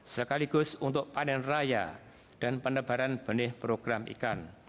sekaligus untuk panen raya dan penebaran benih program ikan